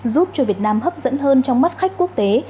giúp cho việt nam hấp dẫn hơn trong mắt khách quốc tế